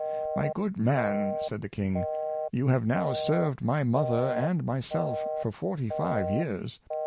" My good man,'' said the King, '' you have now served my mother and my self for forty five 3^ears.